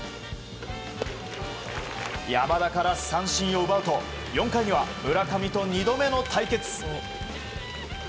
山田から三振を奪うと４回には村上と２度目の対決。